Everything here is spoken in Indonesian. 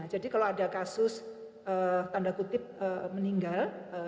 jadi kalau ada kasus tanda kutip meninggal